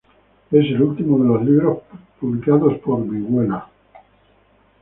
Es el último de los libros publicados para vihuela.